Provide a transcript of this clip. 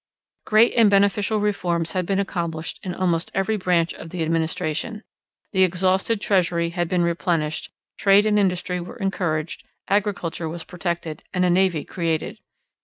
Great and beneficial reforms had been accomplished in almost every branch of the administration. The exhausted treasury had been replenished, trade and industry were encouraged, agriculture was protected, and a navy created.